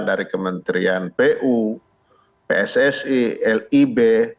dari kementerian pu pssi lib